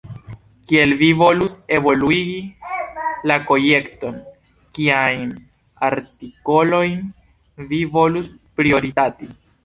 Kiel vi volus evoluigi la projekton, kiajn artikolojn vi volus prioritati?